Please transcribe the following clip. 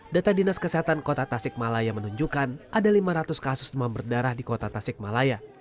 data dinas kesehatan kota tasik malaya menunjukkan ada lima ratus kasus demam berdarah di kota tasik malaya